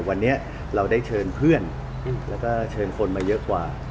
วันนี้เราได้เชิญเพื่อนแล้วก็เชิญคนมาเยอะกว่า